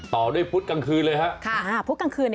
ต่อด้วยพุธกลางคืนเลยค่ะ